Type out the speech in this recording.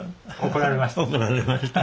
怒られました。